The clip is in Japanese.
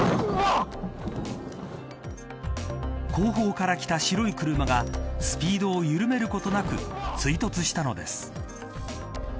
後方から来た白い車がスピードを緩めることなく追突したのです。